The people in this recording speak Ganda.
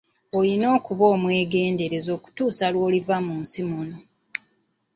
Olina okuba omwegendereza okutuusa lw'oliva mu nsi muno.